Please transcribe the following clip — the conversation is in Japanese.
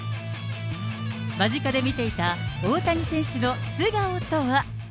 間近で見ていた大谷選手の素顔とは。